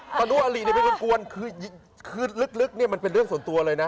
อนุอริเป็นคนกวนคือลึกเนี่ยมันเป็นเรื่องส่วนตัวเลยนะ